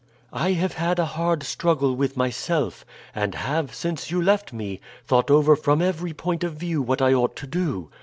"I have had a hard struggle with myself, and have, since you left me, thought over from every point of view what I ought to do.